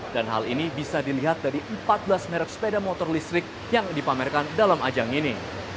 dan hal ini bisa dilihat dari empat belas merek sepeda motor listrik yang dipamerkan dalam ajang ini